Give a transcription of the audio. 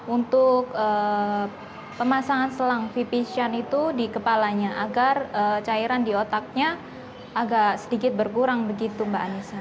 untuk pemasangan selang vipision itu di kepalanya agar cairan di otaknya agak sedikit berkurang begitu mbak anissa